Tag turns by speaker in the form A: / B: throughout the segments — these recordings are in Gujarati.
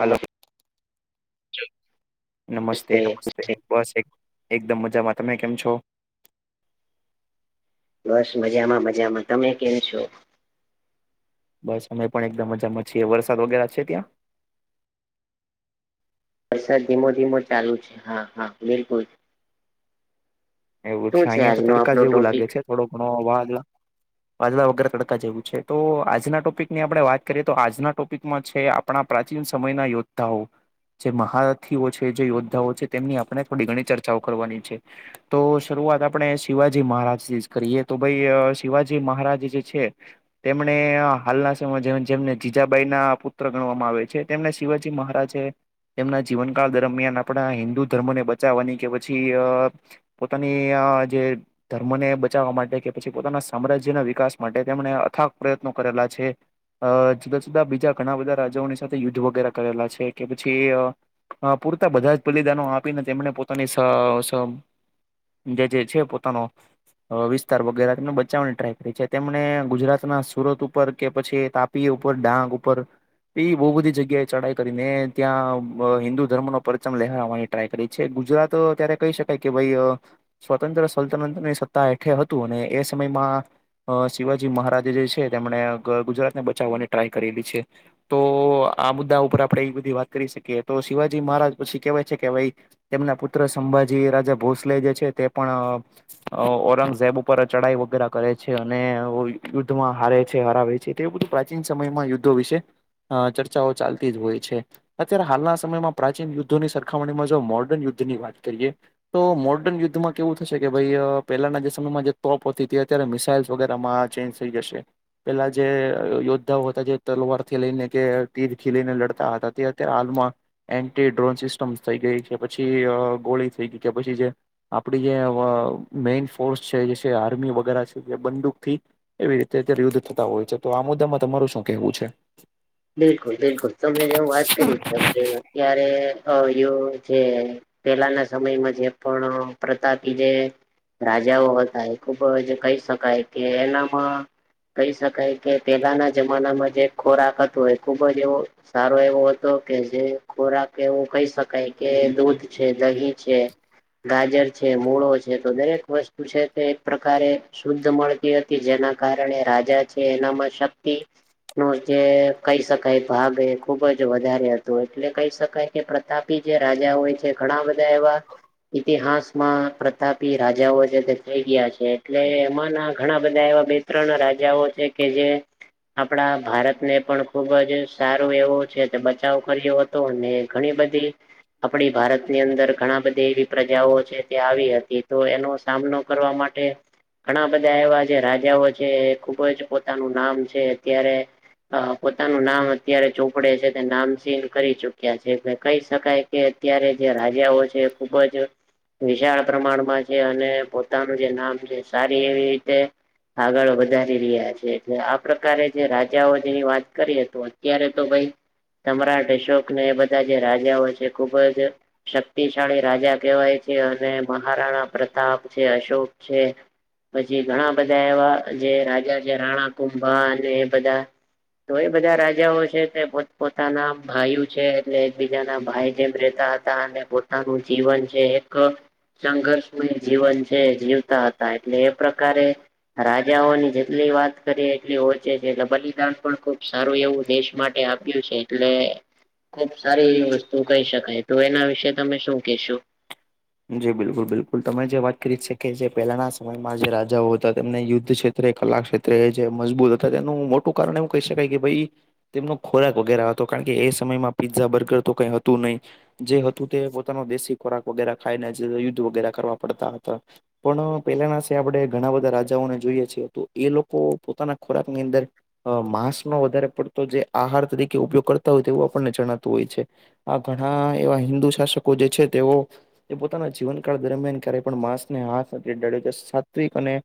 A: હલો નમસ્તે નમસ્તે બસ એક એકદમ મજામાં તમે કેમ છો?
B: બસ મજામાં મજામાં તમે કેમ છો?
A: બસ અમે પણ એકદમ મજામાં છીએ વરસાદ વગેરે છે, ત્યાં?
B: વરસાદ ધીમો ધીમો ચાલુ છે, હા હા બિલકુલ
A: એવું છે,
B: શું
A: અયા તો
B: આજનો
A: તડકા
B: આપણો
A: જેવું
B: ટોપિક
A: લાગે છે, થોડો ઘણો [unintelligible] વાદલા વગર તડકા જેવું છે, તો આજના ટોપિક ની આપડે વાત કરીએ તો આજના ટોપિકમાં છે. આપણા પ્રાચીન સમયના યોદ્ધાઓ જે મહારથીઓ છે, જે યોદ્ધાઓ છે, તેમની આપણે થોડી ઘણી ચર્ચાઓ કરવાની છે. તો શરૂઆત આપણે શિવાજી મહારાજથી જ કરીએ તો ભાઈ શિવાજી મહારાજ જે છે. તેમણે હાલના સમયમાં જે જેમને જીજાબાઈના પુત્ર ગણવામાં આવે છે. તેમને શિવાજી મહારાજે તેમના જીવનકાળ દરમિયાન આપણા હિન્દુ ધર્મને બચાવવાની કે પછી અ પોતાની અ જે ધર્મને બચાવવા માટે કે પછી પોતાના સામ્રાજ્યના વિકાસ માટે તેમણે અથાગ પ્રયત્નો કરેલા છે. અ જુદા જુદા બીજા ઘણા બધા રાજાઓની સાથે યુદ્ધ વગેરે કરેલા છે, કે પછી અ હ પૂરતા બધા જ બલિદાનો આપીને તેમને પોતાની સ સ જે જે છે પોતાનો વિસ્તાર વગેરે તેમને બચાવવાની ટ્રાય કરી છે તેમને ગુજરાતના સુરત ઉપર કે પછી તાપ પી ઉપર ડાંગ ઉપર એ બહુ બધી જગ્યાએ ચઢાઈ કરીને ત્યાં હિન્દુ ધર્મ નો પરચમ લહેરાવાની ટ્રાય કરી છે ગુજરાત આવો ત્યારે કહી શકાય કે ભઈ અ સ્વતંત્ર સલ્તનની સત્તા હેઠે હતું અને એ સમયમાં અ શિવાજી મહારાજ જે છે તેમણે અ ક ગુજરાત ને બચાવવાની ટ્રાય કરેલી છે. તો આ મુદ્દા ઉપર આપડે એવી બધી વાત કરી શકીએ તો શિવાજી મહારાજ પછી કેવાય છે કે ભઈ તેમના પુત્ર સંભાજી રાજા ભોસલે જે છે તે પણ અ અ ઔરંગઝેબ ઉપર ચઢાઈવો વગેરે કરે છે અને યુદ્ધ માં હારે છે હરાવે છે. એવું બધું પ્રાચીન સમયમાં યુદ્ધો વિશે અ ચર્ચાઓ ચાલતી જ હોય છે. અત્યારે હાલના સમયમાં પ્રાચીન યુદ્ધોની સરખામણીમાં જો મોર્ડર્ન યુદ્ધની વાત કરીએ તો મોડર્ન યુદ્ધ એમાં કેવું થશે કે ભાઈ અ પહેલાના જે સમયમાં જે તોપ મિસાઇલ વગેરેમાં ચેન્જ થઈ જશે પેલા જે યોદ્ધાઓ હતા જે તલવાર થી લઈને કે તીરથી લઈને લડતા હતા તે અત્યારે હાલમાં એન્ટી ડ્રોન સિસ્ટમ થઈ ગઈ છે પછી અ ગોળી થઈ ગઈ કે પછી જે આપડી જે અ મેન ફોર્સ છે જે આર્મી વગેરે છે જે બંદૂક થી એવી રીતે અત્યારે યુદ્ધ થતા હોય છે તો આ મુદ્દામાં તમાર શું કહેવું છે.
B: બિલકુલ બિલકુલ તમને જે હું વાત કરી આપણે અત્યારે અ જે પેલાના સમયમાં જે પણ પ્રતાપી જે રાજાઓ હતા એ ખુબ જ કહી શકાય કે એનામાં પણ કહી શકાય કે પેલાના જમાનામાં જે ખોરાક હતો એ ખુબ જ એવો સારો એવો હતો કે જે ખોરાક એવું કહી શકાય કે દૂધ છે દહી છે. ગાજર છે મૂળો છે તો દરેક વસ્તુ છે તે એક પ્રકારે શુદ્ધ મળતી હતી જેના કારણે રાજા છે એનામાં શક્તિ નો જે કહી શકાય ભાગ એ ખુબ જ વધારે હતો એટલે કહી શકાય કે પ્રતાપી જે રાજા હોય છે ઘણા બધા એવા ઇતિહાસમાં પ્રતાપી રાજાઓ જે થઈ ગયા છે એટલે એમાંના ઘણા બધા એવા બે ત્રણ રાજાઓ છે કે જે આપણા ભારતને પણ ખુબ જ સારો એવો છે તે બચાવ કર્યો હતો અને ઘણી બધી આપણી ભારતની અંદર ઘણા બધી એવી પ્રજાઓ છે તે આવી હતી તો એનો સામનો કરવા માટે ઘણા બધા એવા જે રાજાઓ છે એ ખુબ જ પોતાનું નામ છે અત્યારે અ પોતાનું નામ અત્યારે ચોપડે છે તે નામ સીલ કરી ચુક્યા છે એટલે કહી શકાય કે અત્યારે જે રાજાઓ છે ખુબ જ વિશાળ પ્રમાણમાં છે અને પોતાનું જે નામ છે સારી એવી રીતે આગળ વધારી રહ્યા છે એટલે આ પ્રકારે જે રાજાઓ જેની વાત કરી હતી અત્યારે તો ભાઈ સમ્રાટ અશોકને એ બધા જે રાજાઓ છે ખુબ જ શક્તિશાળી રાજા કહેવાય છે અને મહારાણા પ્રતાપ છે અશોક છે. પછી ઘણા બધા એવા જે રાજા છે રાણા કુંભા અને એ બધા તો એ બધા રાજાઓ છે તે પોત પોતાના ભાઈઓ છે એટલે એકબીજાના ભાઈ જેમ રેતા હતા અને પોતાનું જીવન છે એક સંઘર્ષમય જીવન છે જે વતા હતા એટલે એ પ્રકારે રાજાઓની જેટલી વાત કરીએ એટલી ઓછી છે એટલે બલિદાન પણ ખૂબ સારું એવું દેશ માટે આપ્યું છે એટલે ખુબ સારી એવી વસ્તુ કહી શકાય તો એના વિશે તમે શું કેશો
A: જી બિલકુલ બિલકુલ તમે જે વાત કરી છે કે જે પહેલાના સમયમાં જે રાજાઓ હતા તેમને યુદ્ધ છે કે કલા ક્ષેત્રે જે મજબૂત હતા તેનું મોટું કારણ એવું કહી શકાય કે ભઈ તેમનો ખોરાક વગેરે હતો કારણ કે એ સમયમાં પીઝા બર્ગર તો કઈ હતું નહી જે હતું તે પોતાનો દેશી ખોરાક વગેરા ખાઈને જે યુદ્ધ વગેરા કરવા પડતા હતા. પણ પહેલાના છે આપણે ઘણા બધા રાજાઓને જોઈએ છીએ તો એ લોકો પોતાના ખોરાકની અંદર અ માંસ નો વધારે પડતો જે આહાર તરીકે ઉપયોગ કરતા હોય તે એવું આપણને જણાતું હોય છે. આ ગઢા એવા હિન્દુ શાસકો જે છે તેઓ તે પોતાના જીવનકાળ દરમિયાન ક્યારેય પણ માંસને હાથ નથી અડાડ્યો નથી સાત્વિક અને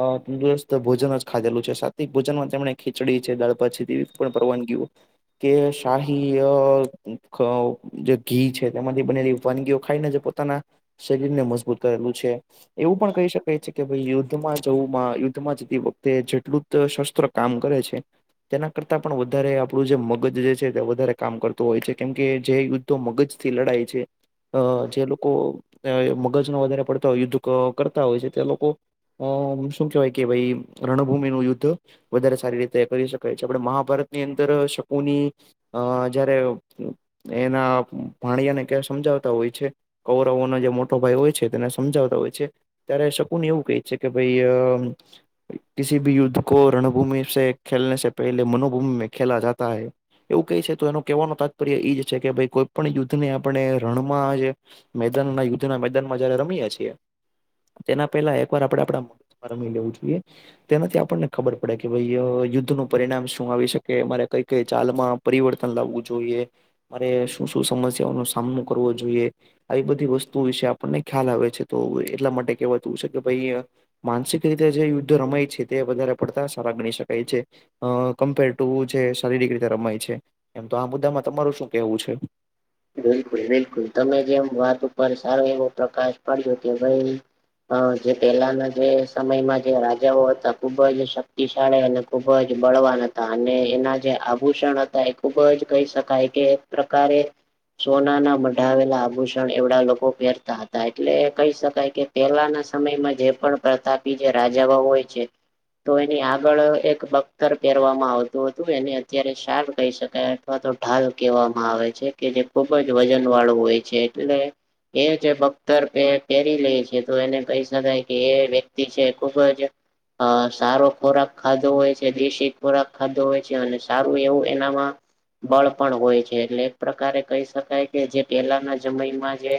A: માં તંદુરસ્ત ભોજન જ ખાધેલું છે સાવિક ભોજનમાં તેમણે ખીચડી છે દાળ ભાત છે તેવી પણ પરવાનગીઓ કે શાહી ય જે ઘી છે તેમાંથી બનેલી વાનગીઓ ખાઈને જે પો પોતાના શરીર ને મજબૂત કરેલું છે. એવું પણ કહી શકાય છે કે ભાઈ યુદ્ધમાં જવુંમાં યુદ્ધમાં જતી વખતે જેટલું ત શસ્ત્ર કામ કરે છે. તેના કરતા પણ વધારે આપડું જે મગજ જે છે તે વધારે કરતું હોય છે કેમ કે જે તો મગજથી લડાય છે અ અ જે લોકો [unintelligible] લોકો મગજ ના વધારે પડતા હોય યુદ્ધ કરતા હોય છે તે લોકો અ અ શું કહેવાય કે ભાઈ રણભૂમિ નું યુદ્ધ વધારે સારી રીતે કરી શકાય છે આપણે મહાભારતની અંદર શકુની અ જયારે એના ભાણિયાને ક્યા સમજાવતા હોય છે. કૌરવોનો જે મોટો ભાઈ હોય છે તેને સમજાવતા હોય છે. ત્યારે શકુની એવું કહે છે કે ભઈ અ કસી ભી યુદ્ધ કો રણભૂમિ સે ખેલનેસે પહેલે મનોભૂમિ મે ખેલા જાતા હે એવું કઈ છે તો એનો કહેવાનો તાત્પર્ય એ જ છે કે ભઈ કોઈ પણ યુદ્ધ ને આપણે રણમાં જ એ મેદાન ના યુદ્ધના મેદાનમાં જયારે રમીએ છીએ. તેના પેલા એક વાર આપડે આપડા રમી લેવું જોઈએ. તેનાથી આપણને ખબર પડે કે ભઈ યુદ્ધ નું પરિણામ શું આવી શકે અમારે કઈ કઈ ચાલમાં પરિવર્તન લાવવું જોઈએ મારે શું શું સમસ્યાઓનો સામનો કરવો જોઈએ. આવી બધી વસ્તુઓ વિશે આપણને ખ્યાલ આવે છે તો એટલા માટે કેહેવાતું હશે કે ભઈ અ માનસિક રીતે જે યુદ્ધ રમાય છે તે વધારે પડતા સારા ગણી શકાય છે. અ કમ્પેર ટુ જે શારીરિક રીતે રમાય છે એમ તો આ મુદ્દામાં તમારું શું કેવું છે.
B: બિલકુલ બિલકુલ તમે જેમ વાત ઉપર સારો એવો પ્રકાશ પાડ્યો કે ભાઈ હ જે પેલાના જે સમયમાં જે રાજાઓ હતા ખુબ જ શક્તિશાળી અને ખૂબ જ બળવાન હતા અને એના જે આભૂષણ હતા એ ખુબ જ કહી શકાય કે પ્રકારે સોના ના મઢાવેલા આભૂષણ એવડા લોકો ફેરતા હતા એટલે કહી શકાય કે પેલાના સમયમાં જે પણ પ્રતાપી જે રાજાઓ હોય છે. તો એની આગળ એક બખ્તર પહેરવામાં આવતું હતું એને અત્યારે સાપ કહી શકાય. અથવા તો ઢાલ કહેવામાં આવે છે કે જે ખુબ જ વજન વાળું હોય છે એટલે એ જે બખ્તર પેરી લે છે તો એને કહી શકાય કે એ વ્યક્તિ છે ખુબ જ અ સારો ખોરાક ખાધો હોય છે દેશી ખોરાક ખાધો હોય છે અને સારું એવું એનામાં બળ પણ હોય છે એટલે એક પ્રકારે કહી શકાય કે જે પહેલાના સમયમાં જે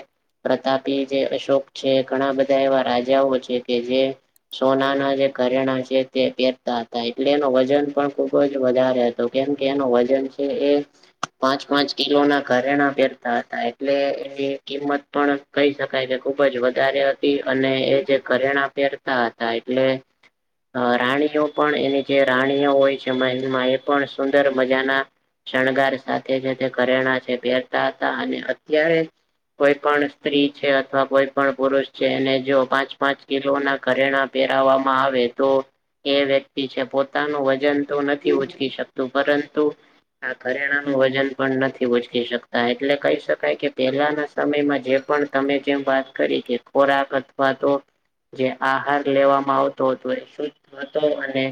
B: પ્રતાપી જે અશોક છે ઘણા બધા એવા રાજાઓ છે કે જે સોનાના જે ઘરેણા છે તે પહેરતા હતા એટલે એનું વજન પણ ખુબ જ વધારે હતું કેમ કે એનું વજન છે એ પાંચ પાંચ કિલો ના ઘરેણા પહેરતા હતા એટલે એ કિંમત પણ કહી શકાય કે ખુબ જ વધારે એ અને એ જે ઘરેણા પહેરતા હતા એટલે અ રાણીઓ પણ એની જે રાણીઓ હોય છે મહેલમાં એ પણ સુંદર મજાના શણગાર સાથે જે તે ઘરેણા છે પહેરતા હતા અને અત્યારે કોઈ પણ સ્ત્રી છે અથવા કોઈ પણ પુરુષ છે એને જો પાંચ પાંચ કિલો ના ઘરેણા પહેરાવવામાં આવે તો એ વ્યક્તિ છે પોતાનું વજન તો નથી ઉચકી શકતું પરંતુ આ ઘરેણા નું વજન પણ નથી [unintelligible] ઊંચકી શકતા એટલે કહી શકાય કે પહેલાના સમયમાં જે પણ તમે જેમ વાત કરી કે ખોરાક અથવા તો જે આહાર લેવામાં આવતો હતો એ શુદ્ધ હતો અને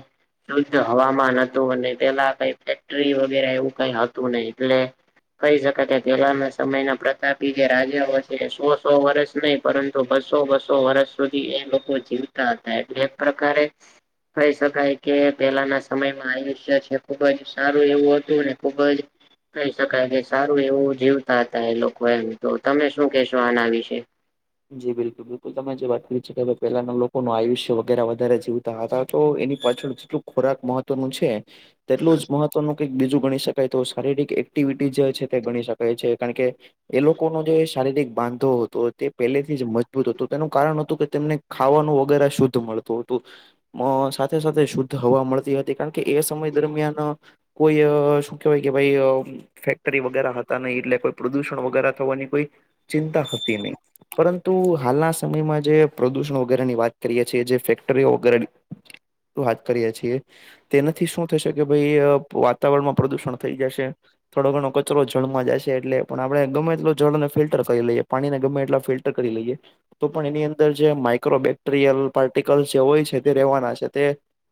B: શુદ્ધ હવામાન હતું અને પેલા કઈ ફેક્ટરી વગેરે એવું કઈ હતું નહીં એટલે કહી શકાય કે પહેલાના સમયના પ્રતાપી જે રાજાઓ છે સો સો વર્ષ નહી પરંતુ બસો બસો વર્ષ સુધી એ લોકો જીવતા હતા એટલે એક પ્રકારે કહી શકાય કે પહેલાના સમયમાં આયુષ્ય છે ખુબ જ સારું એવું હતું અને ખુબ જ કહી શકાય કે સારું એવું જીવતા હતા એ લોકો એમ તો તમે શું કેશો આના વિશે
A: જી બિલકુલ બિલકુલ તમે જે વાત [unintelligible] છે કે પેલાના લોકોનું આયુષ્ય વગેરા વધારે જીવ તો એની પાછળ જેટલું ખોરાક મહત્વનું છે તેટલું જ મહત્વનું ઈક બીજું ગણી શકાય તો શારીરિક એક્ટિવિટી જે છે તે ગણી શકાય છે કારણ કે એ લોકોનો જે શારીરિક બાંધો હતો તે પહેલેથી જ મજબૂત હતું તેનું કારણ હતું કે તેમને ખાવાનું વગેરે શુદ્ધ મળતું હતું અ સાથે સાથે શુદ્ધ હવા મળતી હતી કારણકે એ સમય દરમિયાન કોઈ શું કેહેવાય કે ભાઈ ફેક્ટરી વગેરે હતા નહી એટલે કોઈ પ્રદુષણ વગેરે થવાની કોઈ ચિંતા હતી નહી પરંતુ હાલના સમયમાં જે પ્રદુષણ વગેરેની વાત કરીએ છીએ જે ફેક્ટરીઓ વગેરે વાત કરીએ છીએ તેનાથી શું થશે કે ભાઈ વાતાવરણમાં પ્રદુષણ થઈ જશે થોડો ઘણો કચરો જળમાં જશે એટલે પણ આપણે ગમે એટલો જળને ફિલ્ટર કરી લઈએ પાણીને ગમે એટલા ફિલ્ ટર કરી લઈએ તો પણ એની અંદર જે માઈક્રો બેક્ટેરિયલ પાર્ટિકલ જે હોય છે તે રહેવાના છે તે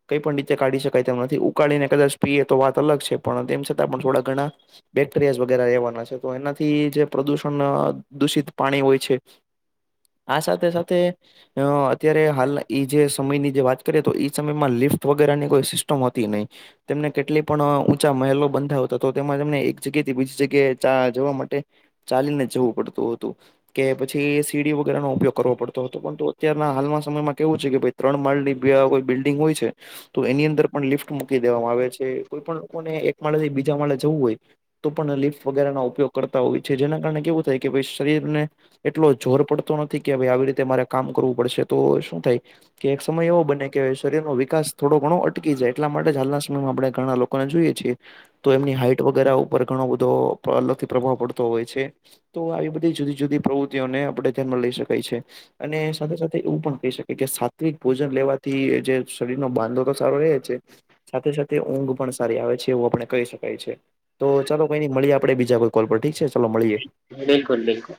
A: કઈ પણ રીતે કાઢી શકાય તેમ નથી. ઉકાળીને કદાચ પીએ તો વાત અલગ છે પણ તેમ છતાં પણ થોડા ઘણા બેક્ટેરિયા જ વધારે રહેેવાના છે તો એનાથી જે પ્રદૂષણ દૂષિત પાણી હોય છે આ સાથે સાથે અ અત્યારે હાલ એ જે સમયની જે વાત કરીએ તો એ સમયમાં લિફ્ટ વગેરેની કોઈ સિસ્ટમ હતી નહી તેમને કેટલી પણ ઊંચા મહેલો બંધાવતા તો તેમાં તેમને એક જગ્યા થી બીજી જગ્યાએ જવા માટે ચાલીને જવું પડતું હતું કે પછી એ સીડી વગેરેનો ઉપયોગ કરો પડતો હતો પરંતુ અત્યારના હાલના સમયમાં કેવું છે કે ભાઈ ત્રણ માળ ની કોઈ બિલ્ડિંગ હોય છે તો એની અંદર પણ લિફ્ટ મૂકી દેવામાં આવે છે કોઈ પણ લોકોને એક માળથી બીજા માળા જવું હોય તો પણ લિફ્ટ વગેરેનો ઉપયોગ કરતા હોય છે જેના કારણે કેવું થાય કે ભઈ શરીરને એટલો જોર પડતો નથી કે ભાઈ આવી રીતે મારે કામ કરવું પડશે તો શું થાય કે એક સમય એવો બને કે શરીરનો વિકાસ થોડો ઘણો અટકી જાય એટલા માટે જ હાલના સમયમાં આપણેે ઘણા લોકોને જોઈએ છીએ તો એમની હાઇટ વગેરે ઉપર ઘણો બધો અલગથી પ્રભાવ પડતો હોય છે તો આવી બધી જુદી જુદી પ્રવ તેઓને આપણે ધ્યાનમાં લઈ શકાય છે. અને સાથે સાથે એવું પણ કહી શકે કે સાત્વિક ભોજન લેવાથી જે શરીર નો બાંધો તો સારો રહે છે સાથે સાથે ઊંઘ પણ સારી આવે છે એવું આપણે કહી શકાય છે. તો ચાલો કોઈ નઈ મળીએ આપે બીજા કોઈ કોલ પર ઠીક છે ચાલો મળીએ.
B: બિલકુલ બિલકુલ